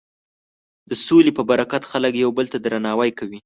د سولې په برکت خلک یو بل ته درناوی کوي.